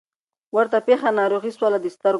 ورته پېښه ناروغي سوله د سترګو